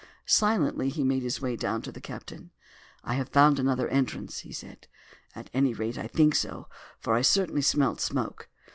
Silently he made his way down to the captain. "I have found another entrance," he said. "At any rate I think so; for I certainly smelt smoke.